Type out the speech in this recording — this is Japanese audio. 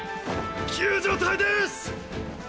救助隊ですッ。